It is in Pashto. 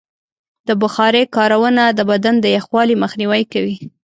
د بخارۍ کارونه د بدن د یخوالي مخنیوی کوي.